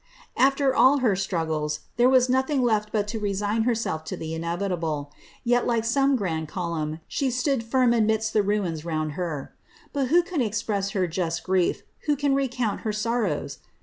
"After all her struggles, there was nothing left but to resign herself to the ine vitable : yet, like jiome grand column, she mukI firm amidst the ruius around lier. But who can exjiress her just grief, who can recount her sorrows!